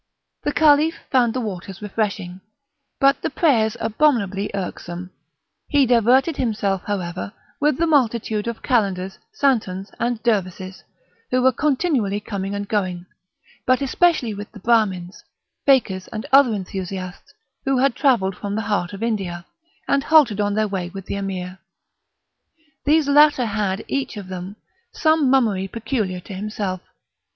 The Caliph found the waters refreshing, but the prayers abominably irksome; he diverted himself, however, with the multitude of Calenders, Santons, and Dervises, who were continually coming and going, but especially with the Brahmins, Fakirs, and other enthusiasts, who had travelled from the heart of India, and halted on their way with the Emir. These latter had, each of them, some mummery peculiar to himself.